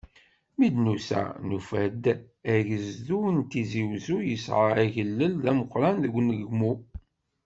Mi d-nusa, nufa-d agezdu n Tizi Uzzu, yesɛa agellel d ameqqran deg unegmu.